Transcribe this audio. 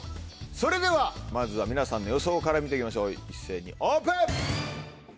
それではまずは皆さんの予想から見ていきましょう一斉にオープン！